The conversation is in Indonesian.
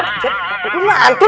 gila sukses banget